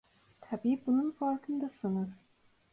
Tabii bunun farkındasınız.